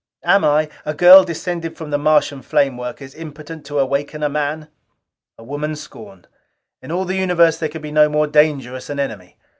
Am I, a girl descended from the Martian flame workers, impotent to awaken a man?" A woman scorned! In all the universe there could be no more dangerous an enemy.